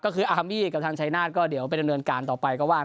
คืออารมมี่กับท่านชัยนาศเดี๋ยวไปเงินการต่อไปก็ว่าน